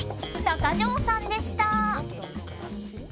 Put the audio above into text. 中条さんでした。